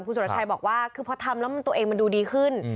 คุณสุรชัยบอกว่าคือพอทำแล้วตัวเองมันดูดีขึ้น